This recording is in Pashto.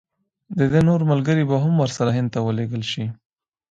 د ده نور ملګري به هم ورسره هند ته ولېږل شي.